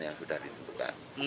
yang sudah ditentukan